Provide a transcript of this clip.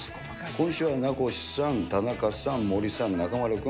今週は名越さん、田中さん、森さん、中丸君。